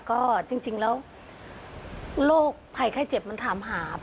ก็จริงแล้วโรคภัยไข้เจ็บมันถามหา